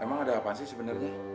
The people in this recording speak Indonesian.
emang ada apa sih sebenarnya